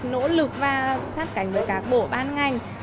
nỗ lực và sát cánh với các bộ ban ngành